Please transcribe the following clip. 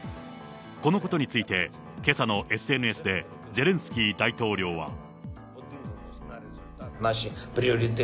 このことについて、けさのＳＮＳでゼレンスキー大統領は。